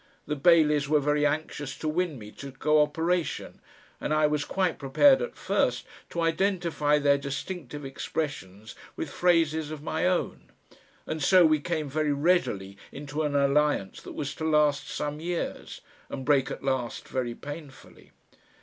The Baileys were very anxious to win me to co operation, and I was quite prepared at first to identify their distinctive expressions with phrases of my own, and so we came very readily into an alliance that was to last some years, and break at last very painfully.